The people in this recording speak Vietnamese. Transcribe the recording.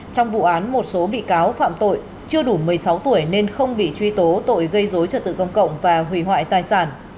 trong vụ án một số bị cáo phạm tội chưa đủ một mươi sáu tuổi nên không bị truy tố tội gây dối trật tự công cộng và hủy hoại tài sản